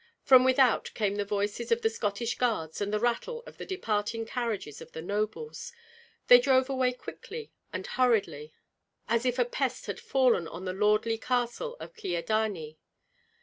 From without came the voices of the Scottish guards and the rattle of the departing carriages of the nobles. They drove away quickly and hurriedly, as if a pest had fallen on the lordly castle of Kyedani.